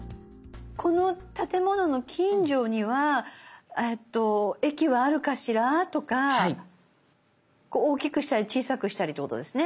「この建物の近所には駅はあるかしら？」とか大きくしたり小さくしたりってことですね。